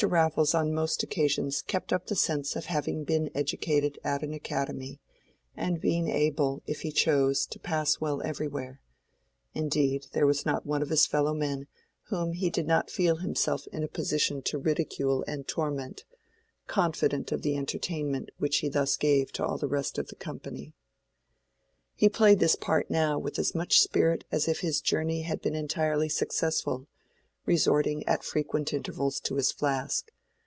Raffles on most occasions kept up the sense of having been educated at an academy, and being able, if he chose, to pass well everywhere; indeed, there was not one of his fellow men whom he did not feel himself in a position to ridicule and torment, confident of the entertainment which he thus gave to all the rest of the company. He played this part now with as much spirit as if his journey had been entirely successful, resorting at frequent intervals to his flask.